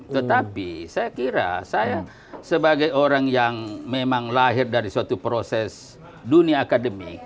tetapi saya kira saya sebagai orang yang memang lahir dari suatu proses dunia akademik